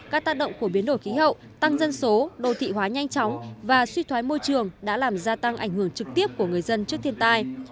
các tác động của biến đổi khí hậu tăng dân số đô thị hóa nhanh chóng và suy thoái môi trường đã làm gia tăng ảnh hưởng trực tiếp của người dân trước thiên tai